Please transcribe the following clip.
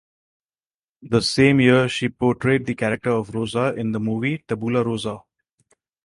The same year she portrayed the character of Rosa in the movie "Tabula Rosa".